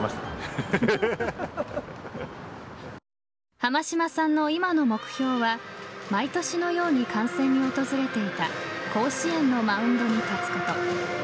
濱嶋さんの今の目標は毎年のように観戦に訪れていた甲子園のマウンドに立つこと。